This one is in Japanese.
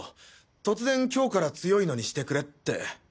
突然今日から強いのにしてくれって。